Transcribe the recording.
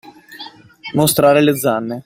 Mostrare le zanne.